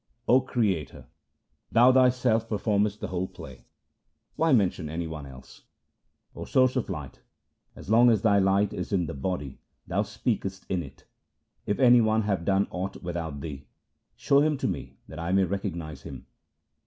O Creator, Thou Thyself performest the whole play ; why mention any one else ? 0 Source of Light, as long as Thy light is in the body Thou speakest in it. If any one have done aught without Thee, show him to me that I may recognize him.